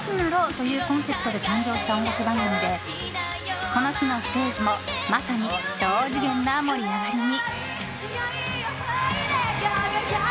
というコンセプトで誕生した音楽番組でこの日のステージもまさに超次元な盛り上がりに。